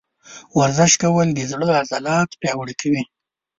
ورزش کول د زړه عضلات پیاوړي کوي.